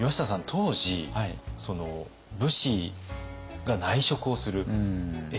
当時武士が内職をする絵を描く。